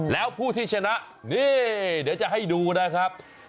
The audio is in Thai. แล้วผู้ที่ชนะนี่เดี๋ยวจะให้ดูนะครับ